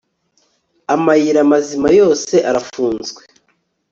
amayira mazima yose arafunzwe